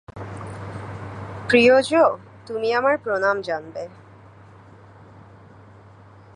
প্রিয় জো, তুমি আমার প্রণাম জানবে।